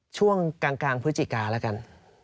ช่วงกลางพฤศจิกาแล้วกัน